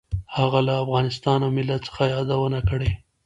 هغه له افغانستان او ملت څخه یادونه کړې.